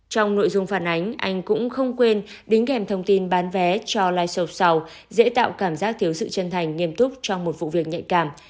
trong nội dung phản ánh anh cũng không quên đính kèm thông tin bán vé cho live show sau dễ tạo cảm giác thiếu sự chân thành nghiêm túc trong một vụ việc nhạy cảm